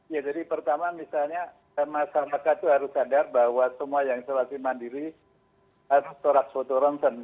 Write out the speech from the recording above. ya jadi pertama misalnya masyarakat itu harus sadar bahwa semua yang isolasi mandiri harus torak fotoronsen